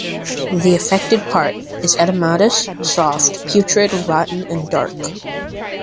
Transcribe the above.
The affected part is edematous, soft, putrid, rotten, and dark.